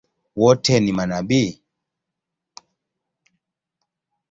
Wote ni manabii?